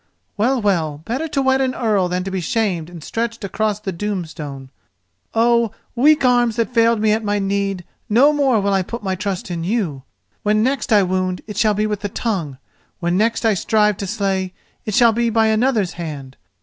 Well, well; better to wed an Earl than to be shamed and stretched across the Doom stone. Oh, weak arms that failed me at my need, no more will I put trust in you! When next I wound, it shall be with the tongue; when next I strive to slay, it shall be by another's hand.